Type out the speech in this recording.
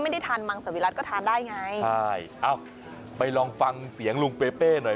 ไม่ได้ทานมังสวิรัติก็ทานได้ไงใช่เอ้าไปลองฟังเสียงลุงเปเป้หน่อย